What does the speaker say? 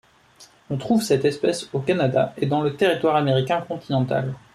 On trouve cette espèce au Canada et dans le territoire américain continental.